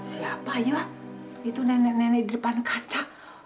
siapa ya itu nenek nenek di depan kaca